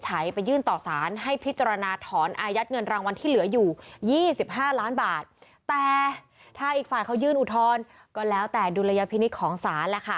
ใช้ไปยื่นต่อสารให้พิจารณาถอนอายัดเงินรางวัลที่เหลืออยู่๒๕ล้านบาทแต่ถ้าอขาขยื่นอุทธนก็แล้วแต่ดูระยะพินิคของสาร